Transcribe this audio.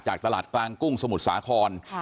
ตลาดกลางกุ้งสมุทรสาคร